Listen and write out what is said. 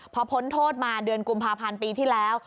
พอพ้นโทษมาเดือนกุมภาพันธ์ปีที่แล้ว